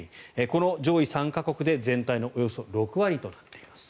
この上位３か国で全体のおよそ６割となっています。